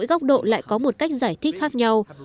nhưng trong mỗi góc độ lại có một cách giải thích khác nhau